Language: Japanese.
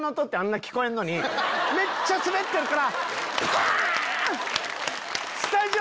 めっちゃスベってるからパン！